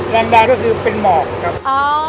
แรงด้านก็คือเป็นหมอกครับ